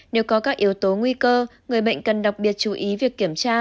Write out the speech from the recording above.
nếu có các yếu tố nguy cơ người bệnh cần đặc biệt chú ý việc kiểm tra